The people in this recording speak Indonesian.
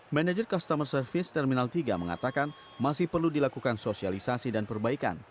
manager customer service terminal tiga mengatakan masih perlu dilakukan sosialisasi dan perbaikan